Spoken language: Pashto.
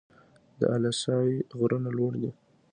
د اله سای غرونه لوړ دي